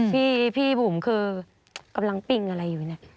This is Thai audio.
พี่บุ๋มคือกำลังปิ้งอะไรอยู่เนี่ย